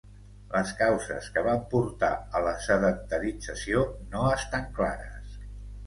Les causes que van portar a la sedentarització no estan clares.